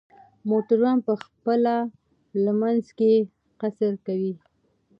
موټروان به په خپل لمانځه کې قصر کوي